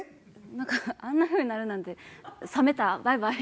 何かあんなふうになるなんて冷めたバイバイ。